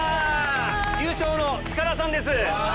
優勝の塚田さんです。